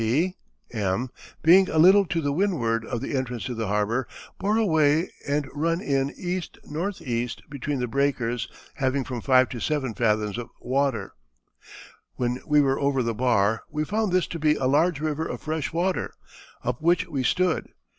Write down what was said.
(P.?) M. being a little to the windward of the entrance to the harbour, bore away and run in ENE between the breakers having from 5 to 7 fathoms water. When we were over the bar we found this to be a large river of fresh water, up which we stood.